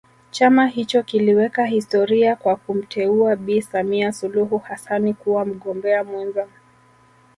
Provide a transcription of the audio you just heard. Chama hicho kiliweka historia kwa kumteua Bi Samia Suluhu Hassani kuwa mgombea mwenza